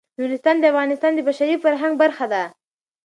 نورستان د افغانستان د بشري فرهنګ برخه ده.